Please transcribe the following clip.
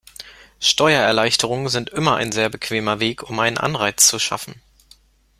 Steuererleichterungen sind immer ein sehr bequemer Weg, um einen Anreiz zu schaffen.